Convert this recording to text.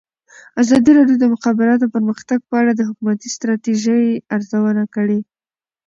ازادي راډیو د د مخابراتو پرمختګ په اړه د حکومتي ستراتیژۍ ارزونه کړې.